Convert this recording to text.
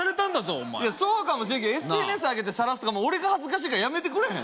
お前そうかもしれんけどＳＮＳあげてさらすとか俺が恥ずかしいからやめてくれへん？